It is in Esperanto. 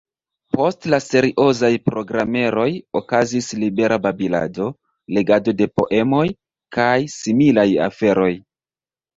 Post la seriozaj programeroj okazis libera babilado, legado de poemoj, kaj similaj aferoj.